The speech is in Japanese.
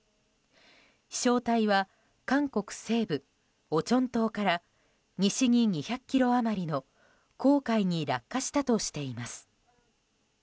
飛翔体は韓国西部オチョン島から西に２００ｋｍ余りの黄海に落下したとしています。